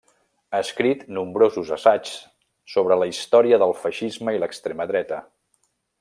Ha escrit nombrosos assaigs sobre la història del feixisme i l'extrema dreta.